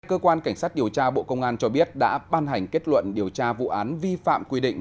cơ quan cảnh sát điều tra bộ công an cho biết đã ban hành kết luận điều tra vụ án vi phạm quy định